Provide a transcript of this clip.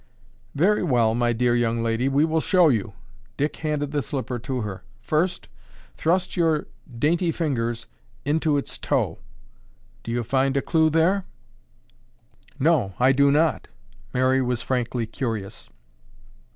"Very well, my dear young lady, we will show you." Dick handed the slipper to her. "First, thrust your dainty fingers into its toe. Do you find a clue there?" "No, I do not." Mary was frankly curious.